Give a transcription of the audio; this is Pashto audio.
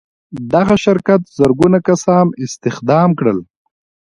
دغه شرکت زرګونه کسان استخدام کړل